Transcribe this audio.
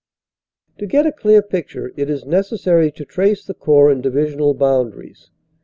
To get a clear picture it is necessary to trace the Corps and Divisional boundaries.